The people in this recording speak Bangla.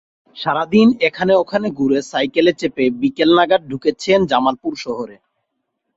সারা দিন এখানে-ওখানে ঘুরে সাইকেলে চেপে বিকেল নাগাদ ঢুকেছেন জামালপুর শহরে।